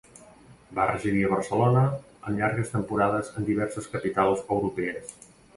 Va residir a Barcelona, amb llargues temporades en diverses capitals europees.